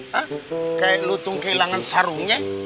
kayak lutung kehilangan sarungnya